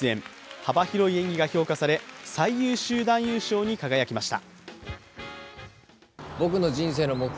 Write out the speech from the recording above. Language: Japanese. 幅広い演技が評価され最優秀男優賞に輝きました。